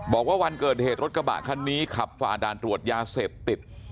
บอกว่าวันเกิดเหตุรถกระบะคันนี้ขับฝ่าด่านตรวจยาเสพติด